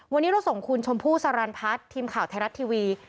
วันนี้เราส่งคุณชมพู่สารันพัฒน์ทีมข่าวไทยรัฐทีวี